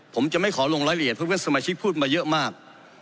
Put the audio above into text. ผมจะไม่ขอลงรายละเอียดเพราะว่าสมาชิกพูดมาเยอะมาก